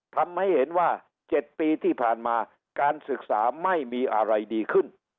ทำให้เห็นว่า๗ปีที่ผ่านมาการศึกษาไม่มีอะไรดีขึ้น